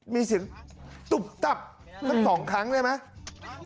มีเสียงตุ๊บตั๊บสองครั้งใช่ไหม